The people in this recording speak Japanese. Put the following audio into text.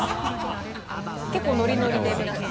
結構ノリノリで皆さん。